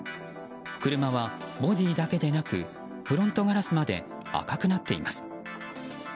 車はボディーだけでなくフロントガラスまで赤くなっています。